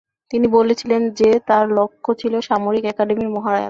তিনি বলেছিলেন যে তার লক্ষ্য ছিল সামরিক একাডেমির মহড়া এড়ানো।